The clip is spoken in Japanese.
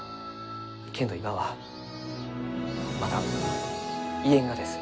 けんど今はまだ言えんがです。